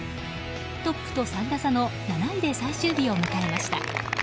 トップと３打差の７位で最終日を迎えました。